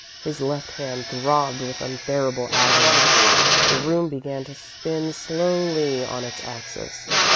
His left hand throbbed with unbearable agony. The room began to spin slowly on its axis.